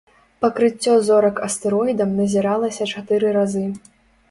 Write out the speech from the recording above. Пакрыццё зорак астэроідам назіралася чатыры разы.